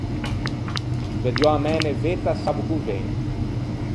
Veddiò a mæ nevetta sabbo ch’o ven.